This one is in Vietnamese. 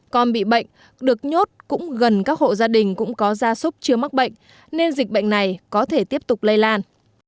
con bị bệnh được nhốt cũng gần các hộ gia đình cũng có gia súc chưa mắc bệnh nên dịch bệnh này có thể tiếp tục lây lan